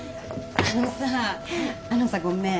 あのさあのさごめん。